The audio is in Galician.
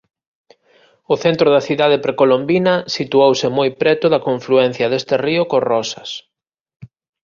O centro da cidade precolombina situouse moi preto da confluencia deste río co Rosas.